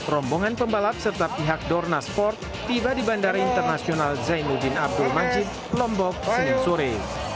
rombongan pembalap serta pihak dorna sport tiba di bandara internasional zainuddin abdul majid lombok senin sore